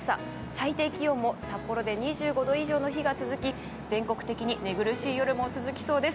最低気温も札幌で２５度以上が続き全国的に寝苦しい夜も続きそうです。